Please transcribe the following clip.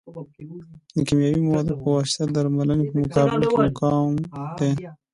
د کیمیاوي موادو په واسطه د درملنې په مقابل کې مقاوم دي.